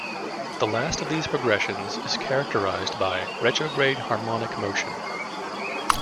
The last of these progressions is characterized by "retrograde" harmonic motion.